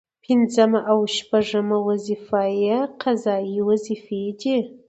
او پنځمه او شپومه وظيفه يې قضايي وظيفي دي